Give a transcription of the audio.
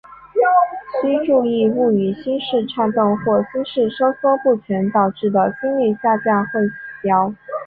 须注意勿与心室颤动或心收缩不全导致的心率下降混淆。